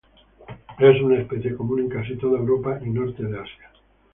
Es una especie común en casi toda Europa y norte de Asia.